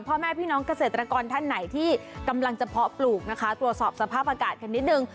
พ่อแม่พี่น้องเกษตรกรท่านไหนที่กำลังจะเพาะปลูกนะคะตรวจสอบสภาพอากาศกันนิดนึง